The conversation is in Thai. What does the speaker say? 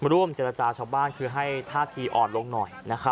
ร่วมเจรจาชาวบ้านคือให้ท่าทีอ่อนลงหน่อย